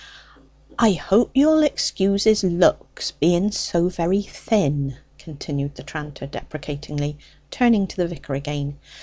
"I hope you'll excuse his looks being so very thin," continued the tranter deprecatingly, turning to the vicar again.